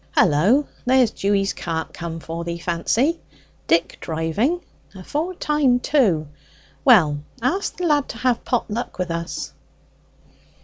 "Hullo! there's Dewy's cart come for thee, Fancy Dick driving afore time, too. Well, ask the lad to have pot luck with us."